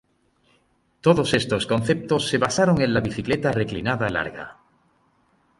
Todos estos conceptos se basaron en la bicicleta reclinada larga.